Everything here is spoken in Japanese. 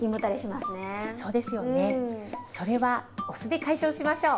それはお酢で解消しましょう。